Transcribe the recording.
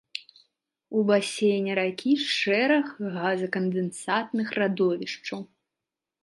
У басейне ракі шэраг газакандэнсатных радовішчаў.